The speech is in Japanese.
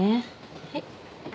はい。